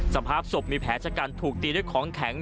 สภาพศพมีแผลชะกันถูกตีด้วยของแข็ง